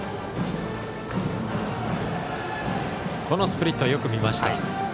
このスプリットよく見ました。